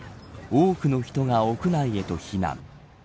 多くの人が屋内へと避難。